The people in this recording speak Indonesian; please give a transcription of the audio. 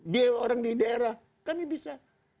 dia orang di daerah kami bisa